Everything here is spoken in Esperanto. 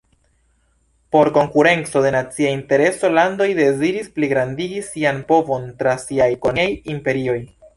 Por konkurenco de nacia intereso, landoj deziris pligrandigi sian povon tra siaj koloniaj imperioj.